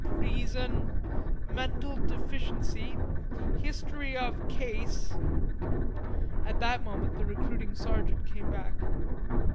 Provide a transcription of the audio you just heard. Reason... mental deficiency. History of Case...." At that moment the recruiting sergeant came back.